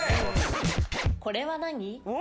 これは何？